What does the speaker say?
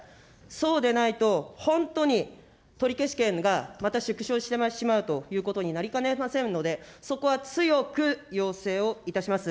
そうでないと、本当に、取消権がまた縮小してしまうということになりかねませんので、そこは強く要請をいたします。